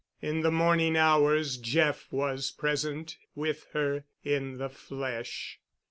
In the morning hours Jeff was present with her in the flesh.